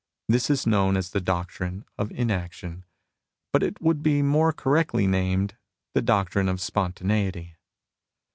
This is known as the doctrine of inaction, but it would be more correctly named the doctrine of spontaneity.